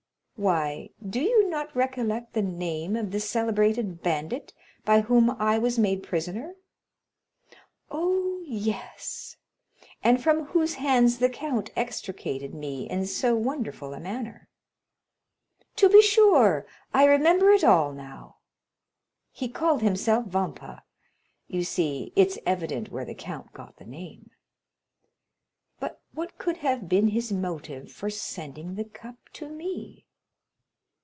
"Why, do you not recollect the name of the celebrated bandit by whom I was made prisoner?" "Oh, yes." "And from whose hands the count extricated me in so wonderful a manner?" "To be sure, I remember it all now." "He called himself Vampa. You see, it's evident where the count got the name." "But what could have been his motive for sending the cup to me?"